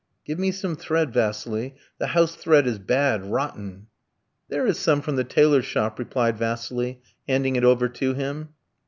'" "Give me some thread, Vasili; the house thread is bad, rotten." "There is some from the tailor's shop," replied Vasili, handing it over to him.